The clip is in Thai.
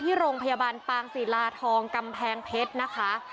ที่โรงพยาบาลปางศิลาทองกำแพงเพชรนะคะ